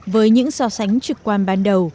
với những so sánh trực quan ban đầu